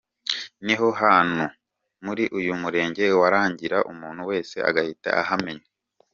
Ni ho hantu muri uyu murenge warangira umuntu wese agahita ahamenya.